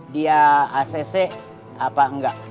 dia acc apa enggak